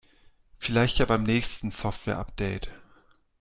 Vielleicht ja beim nächsten Softwareupdate.